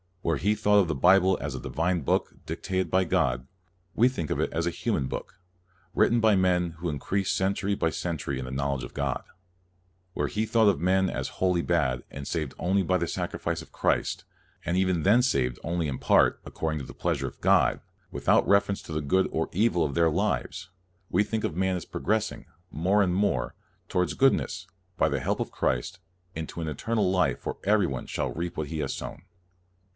Where he thought of the Bible as a divine book, dictated by God, we think of it as a human book, writ ten by men who increased century by cen tury in the knowledge of God. Where he thought of man as wholly bad, and saved only by the sacrifice of Christ, and even then saved only in part, according to the pleasure of God, without reference to the 120 CALVIN good or evil of their lives, we think of man as progressing, more and more, to wards goodness, by the help of Christ, into an eternal life where everybody shall reap what he has sown.